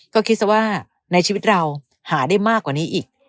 ก็คิดซะว่าในชีวิตเราหาได้มากกว่านี้อีก